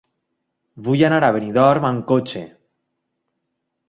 Vull anar a Benidorm amb cotxe.